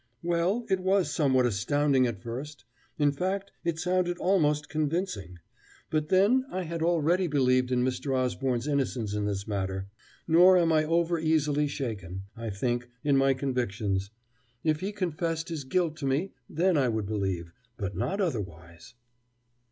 "Well, it was somewhat astounding at first. In fact, it sounded almost convincing. But then, I had already believed in Mr. Osborne's innocence in this matter. Nor am I over easily shaken, I think, in my convictions. If he confessed his guilt to me, then I would believe but not otherwise."